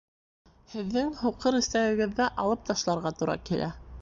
Һеҙҙең һуҡыр эсәгегеҙҙе алып ташларға тура килә